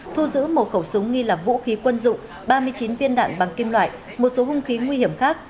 thu giữ một khẩu súng nghi là vũ khí quân dụng ba mươi chín viên đạn bằng kim loại một số hung khí nguy hiểm khác